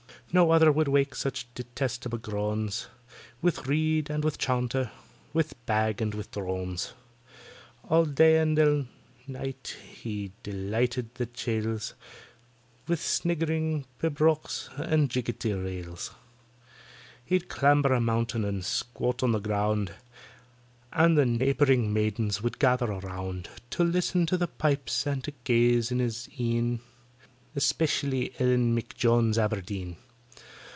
No other could wake such detestable groans, With reed and with chaunter—with bag and with drones: All day and ill night he delighted the chiels With sniggering pibrochs and jiggety reels. He'd clamber a mountain and squat on the ground, And the neighbouring maidens would gather around To list to the pipes and to gaze in his een, Especially ELLEN M'JONES ABERDEEN.